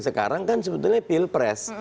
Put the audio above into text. sekarang kan sebetulnya pilpres